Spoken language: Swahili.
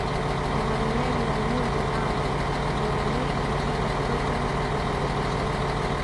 uhamiaji wa nyumbu hawa unaonyeshwa katika programu za televisheni